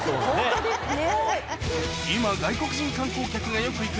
ホントですね。